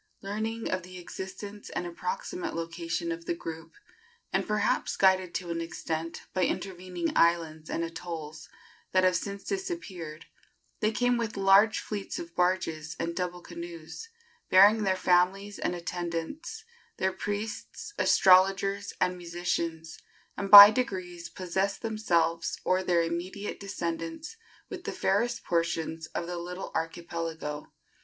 Learning of the existence and approximate location of the group, and perhaps guided to an extent by intervening islands and atolls that have since disappeared, they came with large fleets of barges and double canoes, bearing their families and attendants, their priests, astrologers and musicians, and by degrees possessed themselves or their immediate descendants with the fairest portions of the little archipelago.